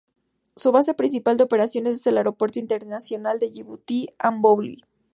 Su base principal de operaciones es el Aeropuerto Internacional de Yibuti-Ambouli.